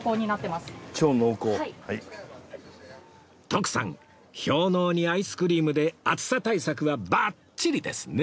徳さん氷のうにアイスクリームで暑さ対策はバッチリですね！